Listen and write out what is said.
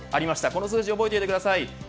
この数字を覚えておいてください。